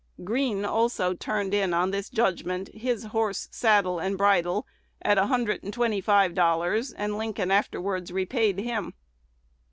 Greene also turned in on this judgment his horse, saddle, and bridle at a hundred and twenty five dollars; and Lincoln afterwards repaid him."